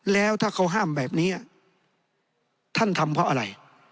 แล้วถ้าเขาห้ามแบบนี้ท่านทำเพราะอะไร